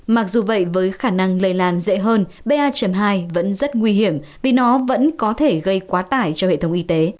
mặc dù vậy với khả năng lây lan dễ hơn ba hai vẫn rất nguy hiểm vì nó vẫn có thể gây quá tải cho hệ thống y tế